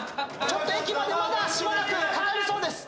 ちょっと駅までまだしばらくかかりそうです。